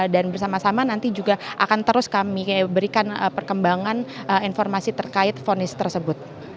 dan bersama sama nanti juga akan terus kami berikan perkembangan informasi terkait vonis tersebut